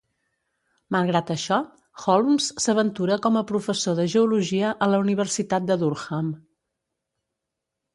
Malgrat això, Holmes s'aventura com a professor de geologia a la Universitat de Durham.